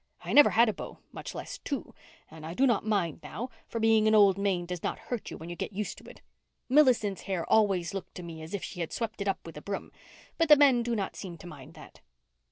I never had a beau, much less two, and I do not mind now, for being an old maid does not hurt when you get used to it. Millicent's hair always looks to me as if she had swept it up with a broom. But the men do not seem to mind that."